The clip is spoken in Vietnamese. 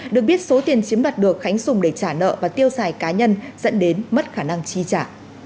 được biết số tiền chiếm đoạt được khánh dùng để trả nợ và tiêu xài cá nhân dẫn đến mất khả năng chi trả